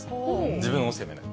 自分を責めない。